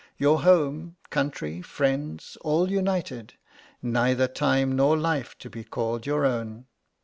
Your home, country, friends, all united; neither time nor life to be called your own.